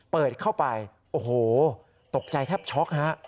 เปิดเข้าไปโอ้โหตกใจแทบช็อกฮะ